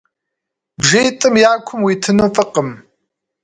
Бжитӏым я кум уитыну фӏыкъым.